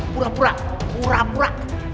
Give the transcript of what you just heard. pura pura pura pura